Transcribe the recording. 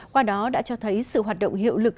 qua đó đã cho thấy sự hoạt động hiệu lực